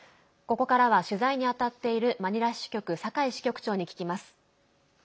ここからは取材に当たっているマニラ支局酒井支局長に聞きます。